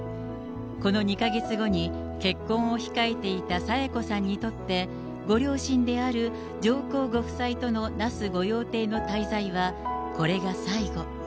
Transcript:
この２か月後に結婚を控えていた清子さんにとって、ご両親である上皇ご夫妻との那須御用邸の滞在は、これが最後。